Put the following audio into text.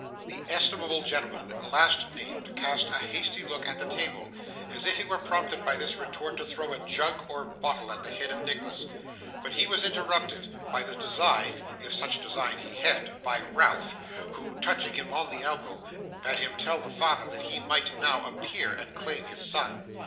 The estimable gentleman last named cast a hasty look at the table, as if he were prompted by this retort to throw a jug or bottle at the head of Nicholas, but he was interrupted in this design (if such design he had) by Ralph, who, touching him on the elbow, bade him tell the father that he might now appear and claim his son.